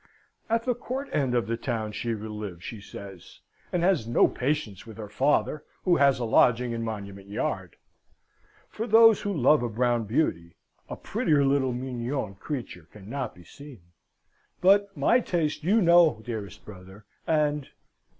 At the Court end of the town she will live, she says; and has no patience with her father, who has a lodging in Monument Yard. For those who love a brown beauty, a prettier little mignonne creature cannot be seen. But my taste, you know, dearest brother, and..."